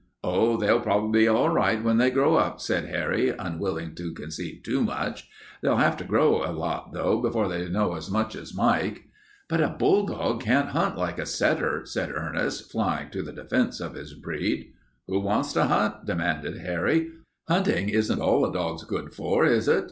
"Oh, they'll prob'ly be all right when they grow up," said Harry, unwilling to concede too much. "They'll have to grow a lot, though, before they know as much as Mike." "But a bulldog can't hunt like a setter," said Ernest, flying to the defense of his breed. "Who wants to hunt?" demanded Harry. "Hunting isn't all a dog's for, is it?